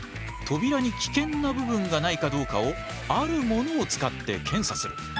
扉に危険な部分がないかどうかをあるものを使って検査する。